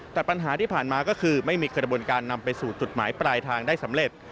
แต่ปัญหาที่ผ่านมาก็คือไม่มีกระบวนการนำไปสู่จุดหมายปลายทางได้สำเร็จ